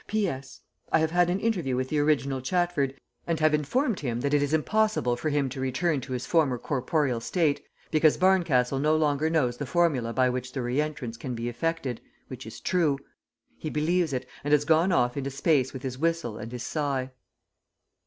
"P.S. I have had an interview with the original Chatford, and have informed him that it is impossible for him to return to his former corporeal state, because Barncastle no longer knows the formula by which the re entrance can be effected, which is true. He believes it, and has gone off into space with his whistle and his sigh."